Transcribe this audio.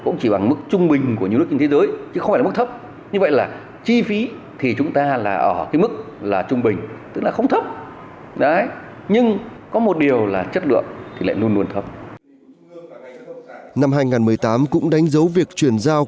năm hai nghìn một mươi tám cũng đánh dấu việc chuyển giao